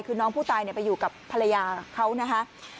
คือน้องผู้ตายไปอยู่กับภรรยาเขานะคะ